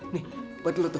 nih buat dulu tuh